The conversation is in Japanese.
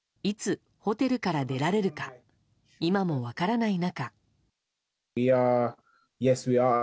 いつホテルから出られるか今も分からない中。